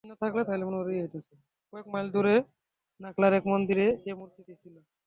কয়েক মাইল দূরে নাখলার এক মন্দিরে এ মূর্তিটি ছিল।